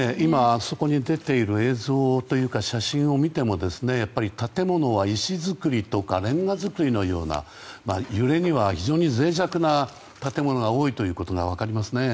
あそこに出ている写真を見てもやっぱり建物は石造りとかレンガ造りのような揺れには非常に脆弱な建物が多いということが分かりますね。